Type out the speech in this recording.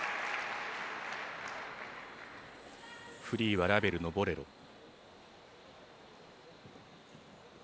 フリーはラヴェルの「ボレロ」。